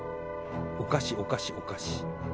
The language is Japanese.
おかしおかしおかし。